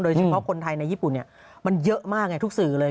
เฉพาะคนไทยในญี่ปุ่นมันเยอะมากไงทุกสื่อเลย